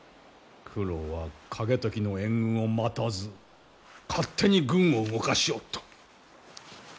九郎は景時の援軍を待たず勝手に軍を動かしおった。